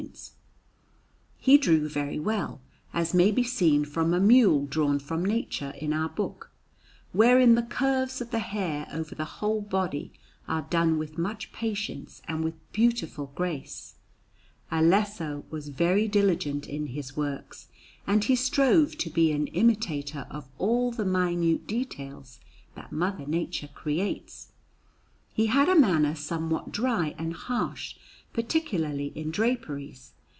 Panel_)] He drew very well, as may be seen from a mule drawn from nature in our book, wherein the curves of the hair over the whole body are done with much patience and with beautiful grace. Alesso was very diligent in his works, and he strove to be an imitator of all the minute details that Mother Nature creates. He had a manner somewhat dry and harsh, particularly in draperies.